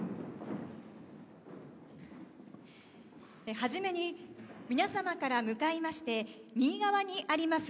初めに、皆様から向かいまして右側にあります